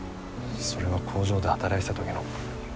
それは工場で働いてた時の。